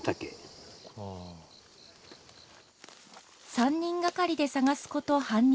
３人掛かりで探すこと半日。